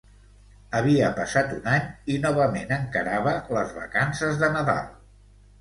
Havia passat un any i novament encarava les vacances de Nadal.